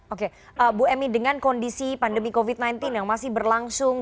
oke bu emy dengan kondisi pandemi covid sembilan belas yang masih berlangsung